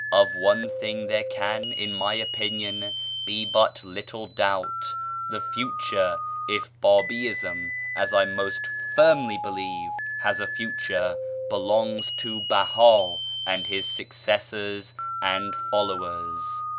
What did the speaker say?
Of one thing there can, in my opinion, be but little doubt: the future (if Bábíism, as I most firmly believe, has a future) belongs to Behá and his successors and followers.